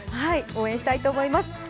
応援したいと思います。